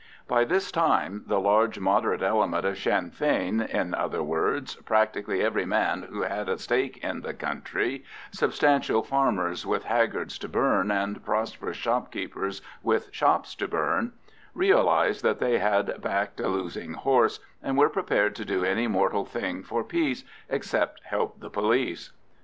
By this time the large moderate element of Sinn Fein, in other words, practically every man who had a stake in the country—substantial farmers with haggards to burn, and prosperous shopkeepers with shops to burn—realised that they had backed a losing horse, and were prepared to do any mortal thing for peace, except help the police.